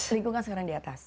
lingkungan sekarang di atas